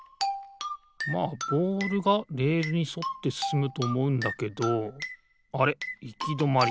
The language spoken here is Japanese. まあボールがレールにそってすすむとおもうんだけどあれっいきどまり。